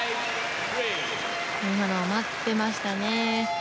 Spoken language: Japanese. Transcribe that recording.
今のは待ってましたね。